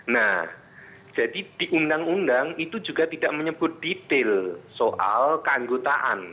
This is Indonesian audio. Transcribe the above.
nah jadi di undang undang itu juga tidak menyebut detail soal keanggotaan